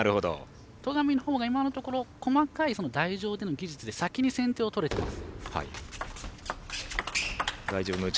戸上の方が今のところ細かい、台上の技術で先に先手を取れています。